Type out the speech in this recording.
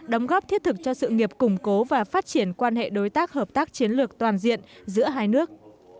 đóng góp thiết thực cho sự nghiệp củng cố và phát triển quan hệ đối tác hợp tác chiến lược toàn diện giữa hai nước